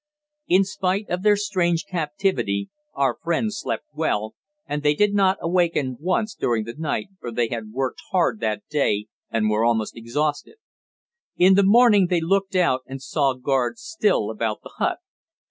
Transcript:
In spite of their strange captivity our friends slept well, and they did not awaken once during the night, for they had worked hard that day, and were almost exhausted. In the morning they looked out and saw guards still about the hut.